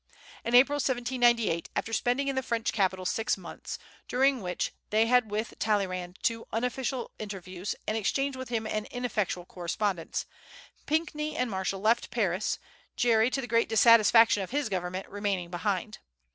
In April, 1798, after spending in the French capital six months, during which they had with Talleyrand two unofficial interviews and exchanged with him an ineffectual correspondence, Pinckney and Marshall left Paris, Gerry, to the great dissatisfaction of his government, remaining behind.